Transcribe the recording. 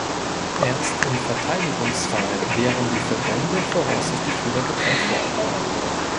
Erst im Verteidigungsfall wären die Verbände voraussichtlich wieder getrennt worden.